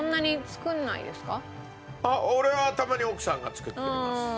俺はたまに奥さんが作ってくれます。